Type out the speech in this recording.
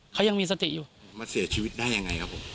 เขายังมีสติอยู่มาเสียชีวิตได้ยังไงครับผม